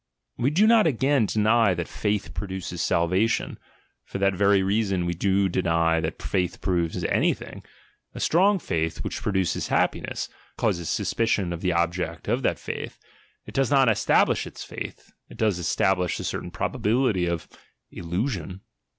We do Dot again deny that "faith produces salvation'': for that very reason we do deny that faith proves anything, — a strong faith, which produces happiness, causes suspicion of the object of that faith, it does not establish its "truth," it d ablish a certain probability of — illusion.